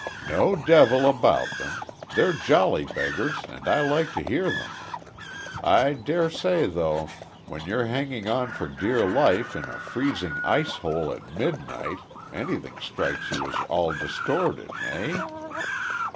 "No `devil' about them. They're jolly beggars and I like to hear them. I dare say, though, when you're hanging on for dear life in a freezing ice hole at midnight anything strikes you as all distorted eh?